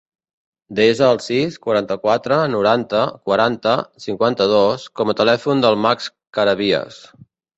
Desa el sis, quaranta-quatre, noranta, quaranta, cinquanta-dos com a telèfon del Max Carabias.